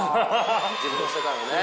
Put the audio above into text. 自分の世界をね。